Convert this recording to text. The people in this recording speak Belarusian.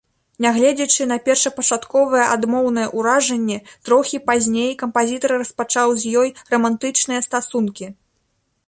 Нягледзячы на першапачатковае адмоўнае ўражанне, трохі пазней кампазітар распачаў з ёй рамантычныя стасункі.